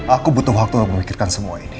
aku butuh waktu untuk memikirkan semua ini